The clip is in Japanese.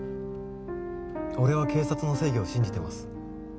俺は警察の正義を信じてます